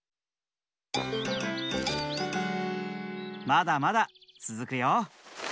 まだまだつづくよ。